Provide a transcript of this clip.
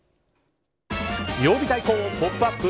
曜日対抗「ポップＵＰ！」